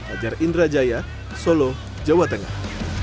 ajar indra jaya solo jawa tengah